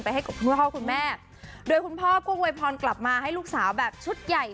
ให้กับคุณพ่อคุณแม่โดยคุณพ่อก็โวยพรกลับมาให้ลูกสาวแบบชุดใหญ่